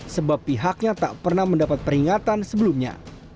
sebab pihaknya tak pernah mendapat peringatan sebelumnya